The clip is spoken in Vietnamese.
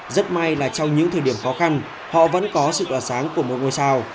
rất may là trong những thời điểm khó khăn họ vẫn có sự tỏa sáng của một ngôi sao